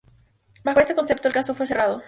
Bajo este concepto, el caso fue cerrado.